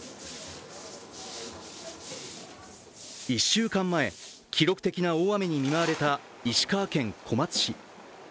１週間前、記録的な大雨に見舞われた石川県小松市。